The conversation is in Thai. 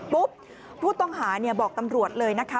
ผู้ต้องหาบอกตำรวจเลยนะคะ